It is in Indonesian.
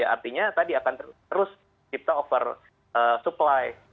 artinya tadi akan terus kita over supply